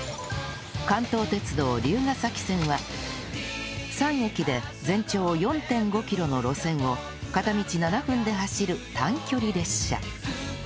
関東鉄道竜ヶ崎線は３駅で全長 ４．５ キロの路線を片道７分で走る短距離列車